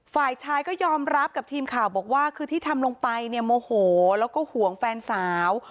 ฝ่ายชายก็ยอมรับกับทีมข่าวบอกว่าคือที่ทำลงไปเนี่ยโมโหแล้วก็ห่วงแฟนสาว